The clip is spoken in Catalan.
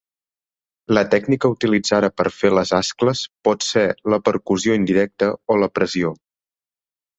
La tècnica utilitzada per fer les ascles pot ser la percussió indirecta o la pressió.